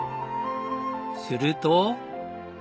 すると。